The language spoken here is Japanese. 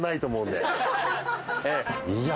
いや。